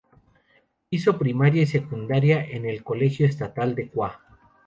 Hizo primaria y secundaria en el Colegio Estadal de Cúa.